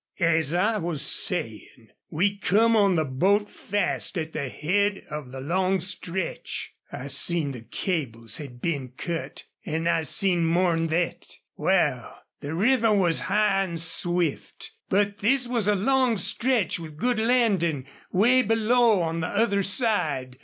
"As I was sayin', we come on the boat fast at the head of the long stretch. I seen the cables had been cut. An' I seen more'n thet.... Wal, the river was high an' swift. But this was a long stretch with good landin' way below on the other side.